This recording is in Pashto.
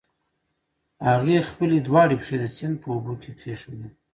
هغې خپلې دواړه پښې د سيند په اوبو کې کېښودې.